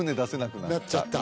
なっちゃった